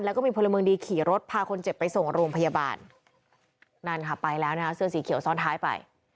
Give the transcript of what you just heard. แล้วก็มีพลเมืองดีขี่รถพาคนเจ็บไปส่งโรงพยาบาลนั่นค่ะไปแล้วนะคะเสื้อสีเขียวซ้อนท้ายไป